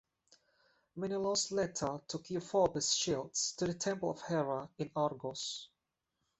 Menelaus later took Euphorbus' shield to the temple of Hera in Argos.